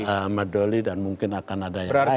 ahmad doli dan mungkin akan ada yang lain